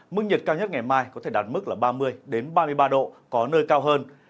mức nhiệt cao nhất ngày mai có thể đạt mức là ba mươi ba mươi ba độ có nơi cao hơn